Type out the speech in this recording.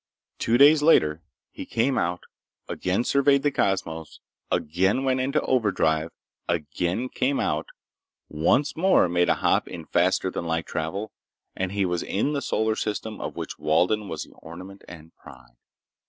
Two days later he came out, again surveyed the cosmos, again went into overdrive, again came out, once more made a hop in faster than light travel—and he was in the solar system of which Walden was the ornament and pride.